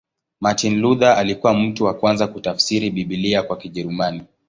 Martin Luther alikuwa mtu wa kwanza kutafsiri Biblia kwa Kijerumani.